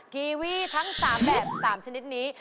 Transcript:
กีวีทั้ง๓แบบ๓ชนิดนี้